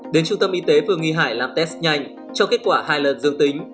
đến trung tâm y tế phương nghị hải làm test nhanh cho kết quả hai lần dương tính